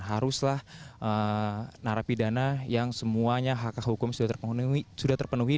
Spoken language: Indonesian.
haruslah narapidana yang semuanya hak hak hukum sudah terpenuhi